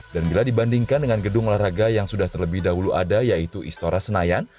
dan bila dibandingkan dengan gedung olahraga yang sudah terlebih dahulu ada yaitu istora senayan